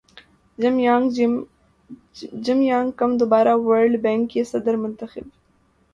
جم Yong Kim دوبارہ World Bank کے صدر منتخب